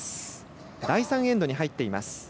第３エンドに入っています。